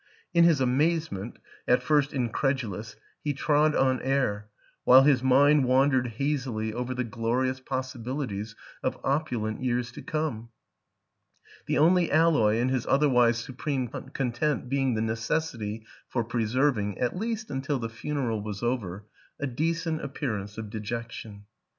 In his amazement at first in WILLIAM AN ENGLISHMAN 5 credulous he trod on air, while his mind wan dered hazily over the glorious possibilities of opulent years to come ; the only alloy in his other wise supreme content being the necessity for preserving (at least until the funeral was over) a decent appearance of dejection.